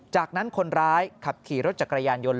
จากนั้นคนร้ายขับขี่รถจักรยานยนต์